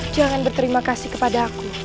jangan berterima kasih kepada aku